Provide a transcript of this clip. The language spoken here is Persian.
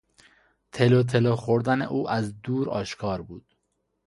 تلوتلو خوردن او از دور آشکار بود.